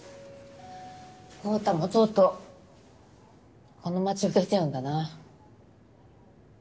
昂太もとうとうこの町を出ちゃうんだな。